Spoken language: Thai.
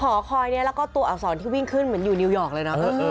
หอคอยนี้แล้วก็ตัวอักษรที่วิ่งขึ้นเหมือนอยู่นิวยอร์กเลยเนอะ